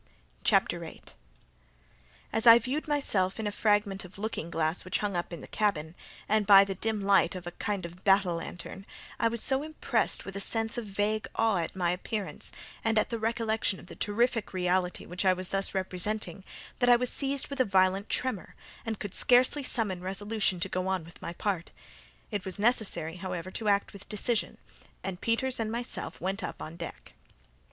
CHAPTER 8 As I viewed myself in a fragment of looking glass which hung up in the cabin, and by the dim light of a kind of battle lantern, I was so impressed with a sense of vague awe at my appearance, and at the recollection of the terrific reality which I was thus representing, that I was seized with a violent tremour, and could scarcely summon resolution to go on with my part. It was necessary, however, to act with decision, and Peters and myself went upon deck.